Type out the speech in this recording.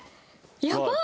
やばっ！